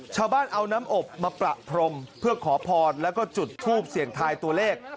ชาวบ้านเอาน้ำอบมาประพรมเพื่อขอพรแล้วก็จุดทูปเสี่ยงทายตัวเลข